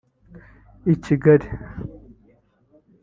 i Kigali